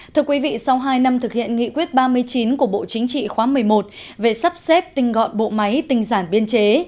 thưa quý vị sau hai năm thực hiện nghị quyết ba mươi chín của bộ chính trị khóa một mươi một về sắp xếp tinh gọn bộ máy tinh giản biên chế